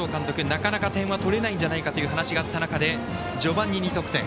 なかなか、点は取れないんじゃないかと話があった中で序盤に２得点。